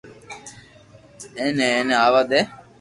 ايني ايني آوا دي